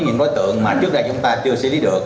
những đối tượng mà trước đây chúng ta chưa xử lý được